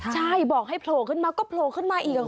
ใช่บอกให้โผล่ขึ้นมาก็โผล่ขึ้นมาอีก